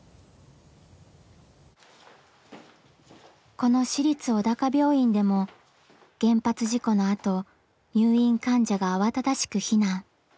この市立小高病院でも原発事故のあと入院患者が慌ただしく避難。